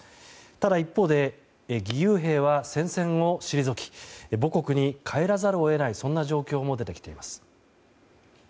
ただ、一方で義勇兵は戦線を退き母国に帰らざるを得ないそんな状況も出てきています。